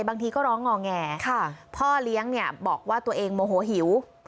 บางทีก็ร้องงอแงพ่อเลี้ยงเนี่ยบอกว่าตัวเองโมโหหิว